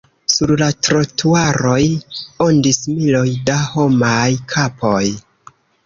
Sur la trotuaroj ondis miloj da homaj kapoj.